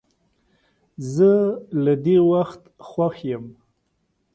زه له دې وخت خوښ یم.